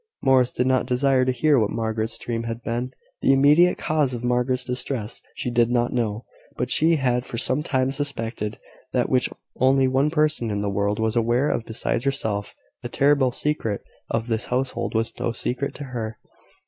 Morris did not desire to hear what Margaret's dream had been. The immediate cause of Margaret's distress she did not know; but she had for some time suspected that which only one person in the world was aware of besides herself. The terrible secret of this household was no secret to her.